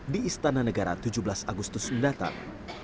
di istana negara tujuh belas agustus mendatang